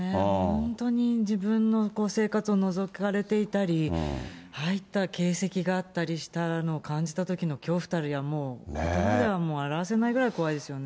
本当に自分の生活をのぞかれていたり、入った形跡があったりしたのを感じたときの恐怖たるやもう、ことばでは表せないくらい怖いですよね。